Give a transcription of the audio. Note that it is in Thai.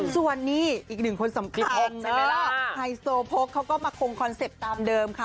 ส่วนนี้อีกหนึ่งคนสำคัญใช่ไหมล่ะไฮโซโพกเขาก็มาคงคอนเซ็ปต์ตามเดิมค่ะ